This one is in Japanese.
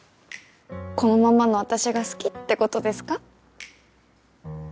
このままの私が好きってことですか？